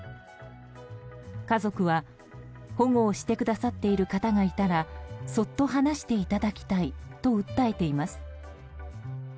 家族は保護をしてくださっている方がいたらそっと離していただきたいと訴えています。